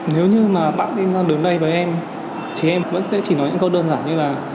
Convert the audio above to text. nếu như mà bạn đi đến đây với em thì em vẫn sẽ chỉ nói những câu đơn giản như là